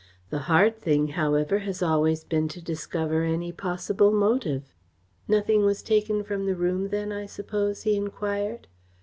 The hard thing, however, has always been to discover any possible motive." "Nothing was taken from the room then, I suppose?" he enquired.